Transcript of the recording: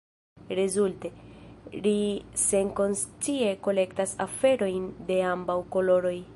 Rezulte, ri senkonscie kolektas aferojn de ambaŭ koloroj.